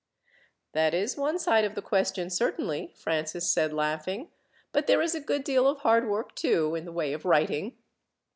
"That is one side of the question certainly," Francis said, laughing; "but there is a good deal of hard work, too, in the way of writing."